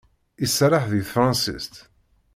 Iserreḥ deg tefṛansit.